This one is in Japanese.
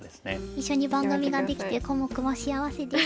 一緒に番組ができてコモクも幸せです。